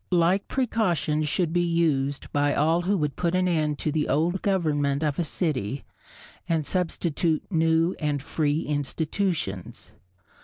Like precautions should be used by all who would put an end to the old government of a city and substitute new and free institutions.